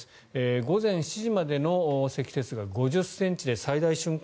午前７時までの積雪が５０ｃｍで最大瞬間